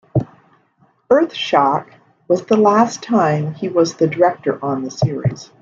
"Earthshock" was the last time he was a director on the series.